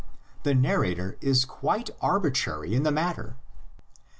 The narrator is quite arbitrary in the mat ter.